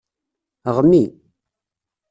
Ɣmi.